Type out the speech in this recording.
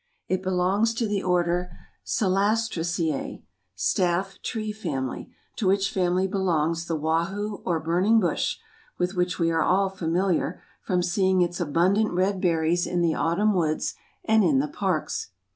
It belongs to the order Celastraceae—Staff tree family—to which family belongs the wahoo or burning bush, with which we are all familiar, from seeing its abundant red berries in the autumn woods and in the parks.